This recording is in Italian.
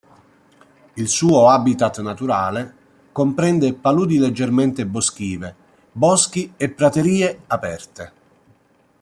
Il suo habitat naturale comprende paludi leggermente boschive, boschi e praterie aperte.